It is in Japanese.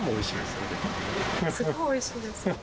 すごいおいしいんですよ。